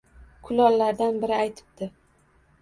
Kulollardan biri aytibdi